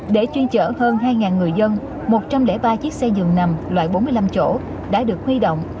để chuyên chở hơn hai người dân một trăm linh ba chiếc xe dường nằm loại bốn mươi năm chỗ đã được huy động